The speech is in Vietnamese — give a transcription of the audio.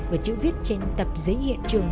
và chữ viết trên tập giấy hiện trường